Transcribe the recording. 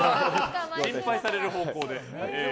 心配される方向で。